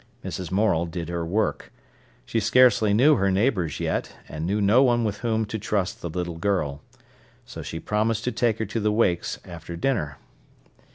Mrs. Morel did her work. She scarcely knew her neighbours yet, and knew no one with whom to trust the little girl. So she promised to take her to the wakes after dinner.